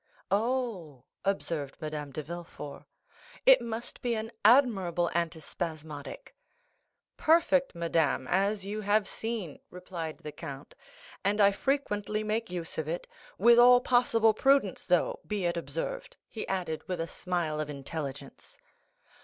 "Oh," observed Madame de Villefort, "it must be an admirable anti spasmodic." "Perfect, madame, as you have seen," replied the count; "and I frequently make use of it—with all possible prudence though, be it observed," he added with a smile of intelligence.